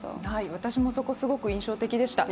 私もそこ、すごく印象的でした。